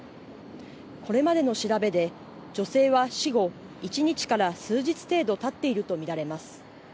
これまでの調べで女性は死後１日から数日程度たっていると見られます。